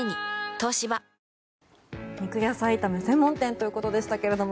東芝肉野菜炒め専門店ということでしたけれども。